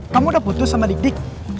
kamu udah putus sama dik dik